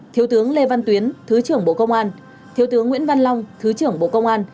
thiếu tướng lê văn tuyến thứ trưởng bộ công an thiếu tướng nguyễn văn long thứ trưởng bộ công an